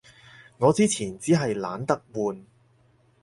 我之前衹係懶得換